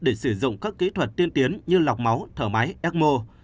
để sử dụng các kỹ thuật tiên tiến như lọc máu thở máy ecmo